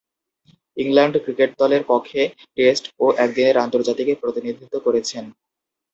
England cricket দলের পক্ষে test ও একদিনের আন্তর্জাতিকে প্রতিনিধিত্ব করেছেন।